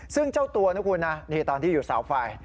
ซึ่งเจ้าตัวนะคุณนะนี่ตอนที่อยู่เสาไฟ